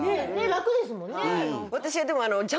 楽ですもんね。